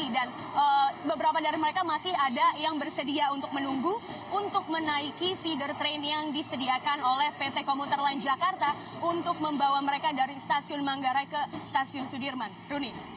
dan beberapa dari mereka masih ada yang bersedia untuk menunggu untuk menaiki feeder train yang disediakan oleh pt komuter line jakarta untuk membawa mereka dari stasiun manggarai ke stasiun sudirman